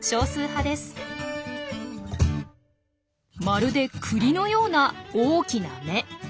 まるでクリのような大きな目！